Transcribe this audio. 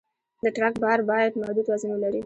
د ټرک بار باید محدود وزن ولري.